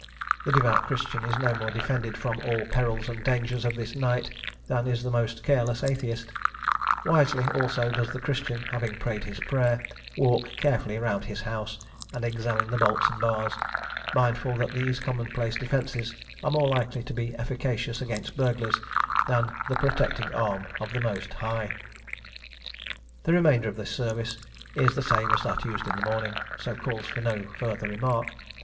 The devout Christian is no more defended from "all perils and dangers of this night," than is the most careless atheist; wisely, also, does the Christian, having prayed his prayer, walk carefully round his house, and examine the bolts and bars, mindful that these commonplace defences are more likely to be efficacious against burglars than the protecting arm of the Most High. The remainder of the service is the same as that used in the morning, so calls for no further remark.